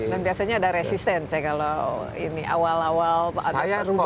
dan biasanya ada resistance ya kalau ini awal awal ada perubahan